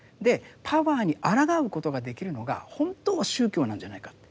パワーにあらがうことができるのが本当は宗教なんじゃないかって。